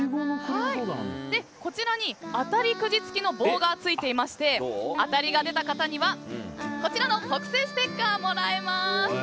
こちらに、あたりくじ付きの棒がついていましてあたりが出た方にはこちらの特製ステッカーがもらえます。